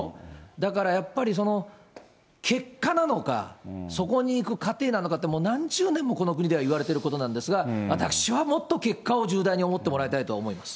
だから、やっぱりその結果なのか、そこにいく過程なのかって、もう何十年もこの国ではいわれてることなんですが、私はもっと結果を重大に思ってもらいたいと思います。